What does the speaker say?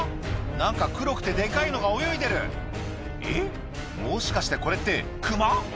何か黒くてデカいのが泳いでるえっもしかしてこれってクマ？